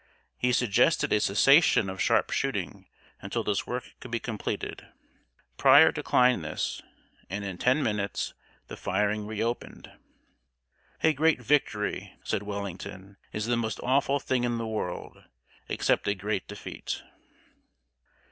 He suggested a cessation of sharp shooting until this work could be completed. Pryor declined this, and in ten minutes the firing reopened. "A great victory," said Wellington, "is the most awful thing in the world, except a great defeat."